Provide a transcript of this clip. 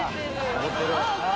怒ってる。